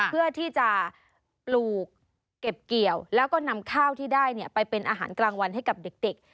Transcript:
เพื่อที่จะปลูกเก็บเกี่ยวแล้วก็นำข้าวที่ได้ไปเป็นอาหารกลางวันให้กับเด็ก